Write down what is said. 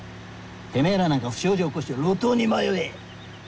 てめぇらなんか不祥事起こして路頭に迷え！